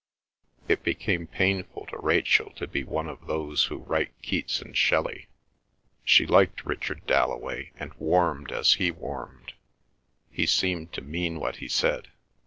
It became painful to Rachel to be one of those who write Keats and Shelley. She liked Richard Dalloway, and warmed as he warmed. He seemed to mean what he said.